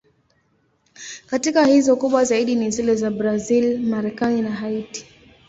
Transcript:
Katika hizo, kubwa zaidi ni zile za Brazil, Marekani na Haiti.